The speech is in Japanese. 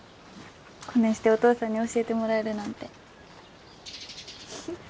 こねんしてお父さんに教えてもらえるなんて。